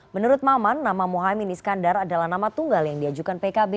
menurut maman nama muhaymin iskandar adalah nama tunggal yang diajukan pkb